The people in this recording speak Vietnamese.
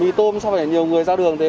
mì tôm sao phải nhiều người ra đường thế